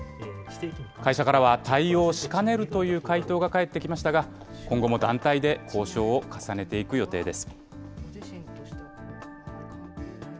会社からは対応しかねるという回答が返ってきましたが、今後も団体で交渉を重ねていく予定です。